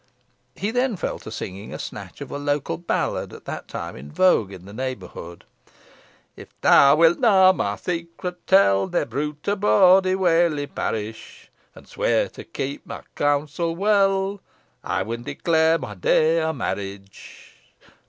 He then fell to singing a snatch of a local ballad at that time in vogue in the neighbourhood: "If thou wi' nah my secret tell, Ne bruit abroad i' Whalley parish, And swear to keep my counsel well, Ey win declare my day of marriage."